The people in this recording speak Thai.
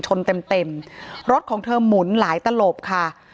ชนเต็มรถของเธอหมุนหลายตะโหลบค่ะ